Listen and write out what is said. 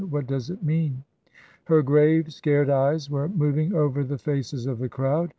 What does it mean ?" Her grave, scared eyes were moving over the faces of the crowd.